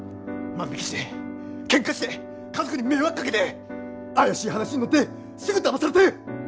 万引きしてケンカして家族に迷惑かけて怪しい話に乗ってすぐだまされて。